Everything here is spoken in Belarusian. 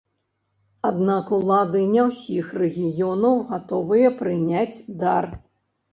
Аднак улады не ўсіх рэгіёнаў гатовыя прыняць дар.